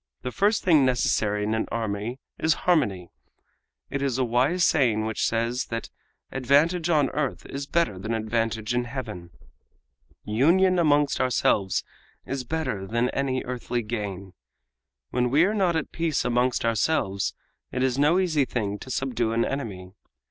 The first thing necessary in an army is harmony. It is a wise saying which says that 'Advantage on earth is better than advantage in Heaven!' Union amongst ourselves is better than any earthly gain. When we are not at peace amongst ourselves it is no easy thing to subdue an enemy.